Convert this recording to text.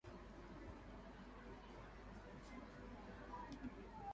何物もない空間が、無辺際に広がっている様子の形容。「縹渺」は広々としている様。遠くはるかに見えるさま。